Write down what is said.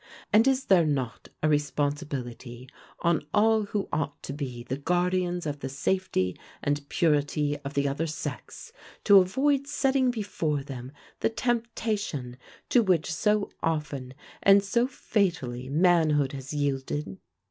And is there not a responsibility on all who ought to be the guardians of the safety and purity of the other sex, to avoid setting before them the temptation to which so often and so fatally manhood has yielded?